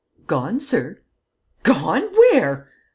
"Gone, sir." "Gone! Where?"